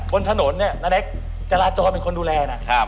บนถนนเนี่ยณเล็กจราจรเป็นคนดูแลนะ